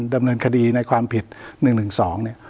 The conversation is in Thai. ดำเนินคดีในความผิด๑๑๒เนี่ย